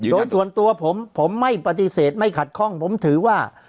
โดยส่วนตัวผมผมไม่ปฏิเสธไม่ขัดข้องผมถือว่า